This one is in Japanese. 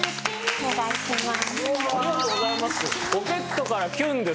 お願いします。